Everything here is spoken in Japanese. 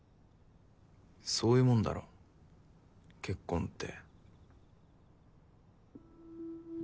そういうもんだろ結婚って。